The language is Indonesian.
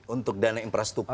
untuk dana infrastruktur